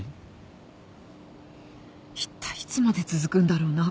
いったいいつまで続くんだろうな